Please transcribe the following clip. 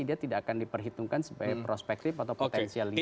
dia tidak akan diperhitungkan sebagai prospective atau potensial leader